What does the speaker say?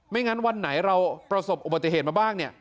ไม่งั้นวันไหนเราประสบอบัติเหตุมาบ้าง